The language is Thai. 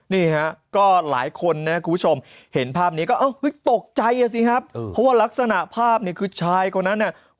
นี่ฮะก็หลายคนนะคุณผู้ชมเห็นภาพนี้ก็ตกใจอ่ะสิครับเพราะว่ารักษณะภาพเนี่ยคือชายคนนั้นเนี่ย